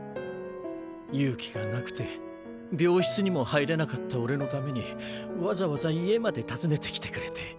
勇気がなくて病室にも入れなかった俺のためにわざわざ家まで訪ねてきてくれて。